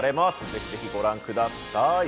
ぜひご覧ください。